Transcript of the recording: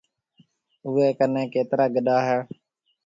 اوَي ڪنَي ڪيترا گڏا هِي؟